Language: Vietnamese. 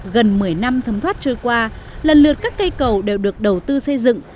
gần một mươi năm thấm thoát trôi qua lần lượt các cây cầu đều được đầu tư xây dựng